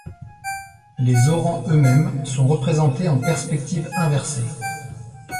Les orants eux-mêmes sont représentés en perspective inversée.